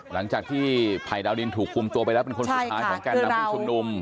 หลังจากที่ภัยดาวดินถูกคุมตัวไปแล้วเป็นคนสุดท้ายของแก่นนำผู้ชุมนุม